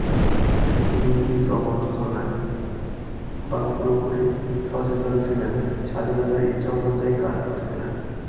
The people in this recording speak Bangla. তিনি কি "মগজ ধোলাই" বা পুরোপুরি সচেতন ছিলেন, স্বাধীন ইচ্ছা অনুযায়ী কাজ করছিলেন?